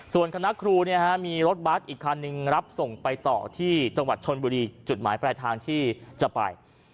ส่วนคณะครูมีรถบัสอีกคันหนึ่งรับส่งไปต่อที่จังหวัดชนบุรีจุดหมายปลายทางที่จะไป